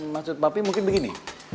maksud papi mungkin begini